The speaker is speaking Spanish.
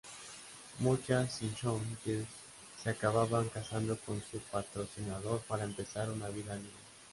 Muchas sing-song girls se acababan casando con su patrocinador para empezar una vida libre.